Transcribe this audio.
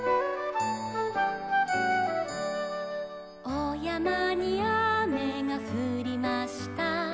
「おやまにあめがふりました」